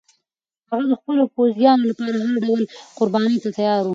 هغه د خپلو پوځیانو لپاره هر ډول قربانۍ ته تیار و.